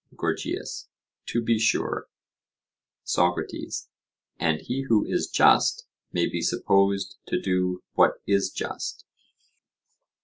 GORGIAS: To be sure. SOCRATES: And he who is just may be supposed to do what is just?